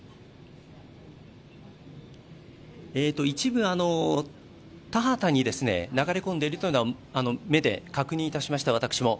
一部、田畑に流れ込んでいるというのは目で確認いたしました、私も。